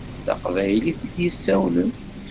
D taqbaylit i d-yessawlen.